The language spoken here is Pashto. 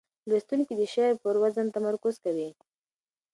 لوستونکي د شعر پر وزن تمرکز کوي.